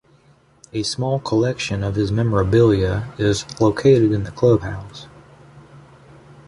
A small collection of his memorabilia is located in the club house.